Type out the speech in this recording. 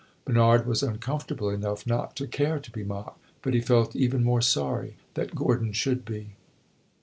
Bernard was uncomfortable enough not to care to be mocked; but he felt even more sorry that Gordon should be.